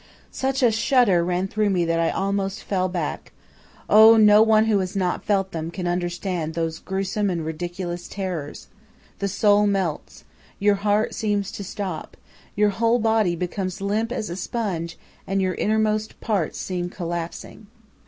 "Such a shudder ran through me that I almost fell back! Oh, no one who has not felt them can understand those gruesome and ridiculous terrors! The soul melts; your heart seems to stop; your whole body becomes limp as a sponge, and your innermost parts seem collapsing.